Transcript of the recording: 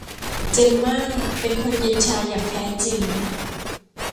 เจมม่าเป็นคนเย็นชาอย่างแท้จริง